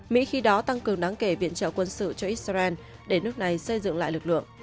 mỹ khi đó tăng cường đáng kể viện trợ quân sự cho israel để nước này xây dựng lại lực lượng